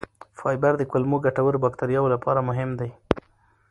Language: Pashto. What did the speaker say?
فایبر د کولمو ګټورو بکتریاوو لپاره مهم دی.